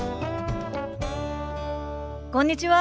こんにちは。